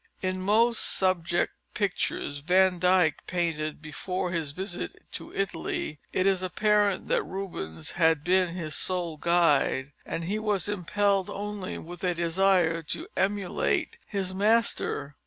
In most subject pictures Van Dyck painted before his visit to Italy it is apparent that Rubens had been his sole guide, and he was impelled only with a desire to emulate his master.